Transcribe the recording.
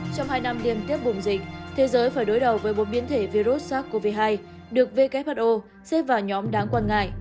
trong hai năm liên tiếp bùng dịch thế giới phải đối đầu với một biến thể virus sars cov hai được who xếp vào nhóm đáng quan ngại